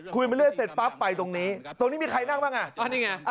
คุยมาเรื่อยเสร็จปั๊บไปตรงนี้ตรงนี้มีใครนั่งบ้างอ่ะ